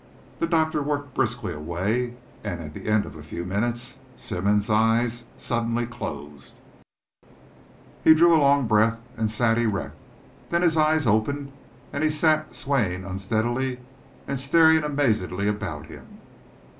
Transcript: The doctor worked briskly away, and, at the end of a few minutes, Simmonds's eyes suddenly closed, he drew a long breath, and sat erect. Then his eyes opened, and he sat swaying unsteadily and staring amazedly about him.